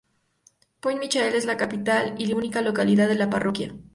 Pointe Michel es la capital y única localidad de la parroquia.